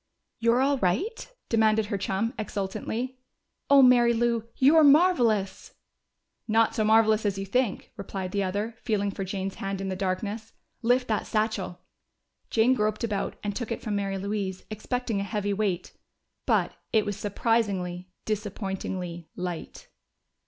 "You're all right?" demanded her chum exultantly. "Oh, Mary Lou, you're marvelous!" "Not so marvelous as you think," replied the other, feeling for Jane's hand in the darkness. "Lift that satchel!" Jane groped about, and took it from Mary Louise, expecting a heavy weight. But it was surprisingly, disappointingly light!